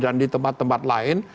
dan di tempat tempat lain